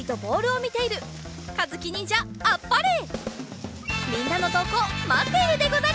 みんなのとうこうまっているでござる。